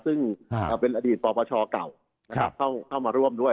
ซึ่งเป็นอดีตปปชเก่าเข้ามาร่วมด้วย